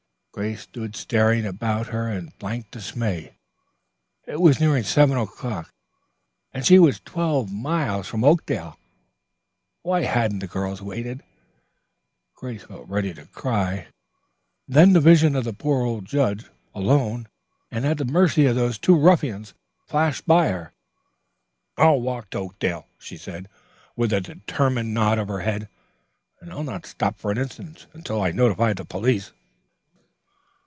Grace stood staring about her in blank dismay. It was nearing seven o'clock, and she was twelve miles from Oakdale. Why hadn't the girls waited? Grace felt ready to cry, then the vision of the poor old judge, alone and at the mercy of the two ruffians, flashed before her. "I'll walk to Oakdale," she said, with a determined nod of her head. "And I'll not stop for an instant until I notify the police."